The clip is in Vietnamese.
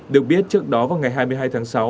được biết trước đó vào ngày hai mươi hai tháng sáu